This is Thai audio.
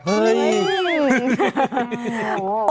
เฮ้ย